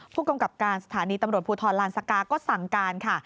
ผู้กำกับการสถานีตำรวจภูทรลานสกาก็สั่งการค่ะ